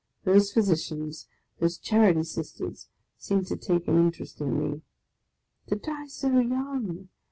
Those Physicians, those Charity Sisters seemed to take an interest in me. " To die so young